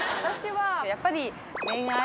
私はやっぱり。